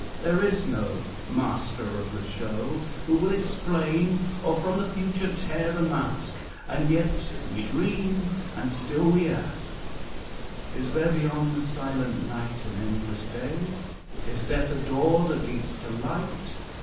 There is no "master of the show" Who will explain, Or from the future tear the mask; And yet we dream, and still we ask Is there beyond the silent night An endless day? Is death a door that leads to light?